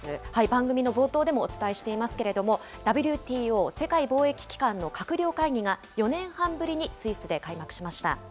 番組の冒頭でもお伝えしていますけれども、ＷＴＯ・世界貿易機関の閣僚会議が、４年半ぶりにスイスで開幕しました。